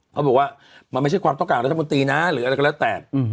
เขาบอกว่ามันไม่ใช่ความต้องการรัฐมนตรีนะหรืออะไรก็แล้วแต่